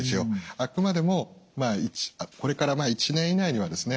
あくまでもこれから１年以内にはですね